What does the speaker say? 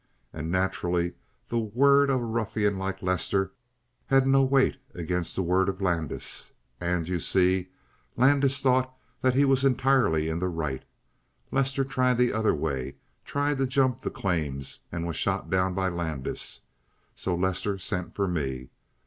And naturally the word of a ruffian like Lester had no weight against the word of Landis. And, you see, Landis thought that he was entirely in the right. Lester tried the other way; tried to jump the claims; and was shot down by Landis. So Lester sent for me.